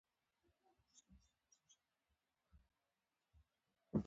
ځینې سندرې د ملت احساس ښيي.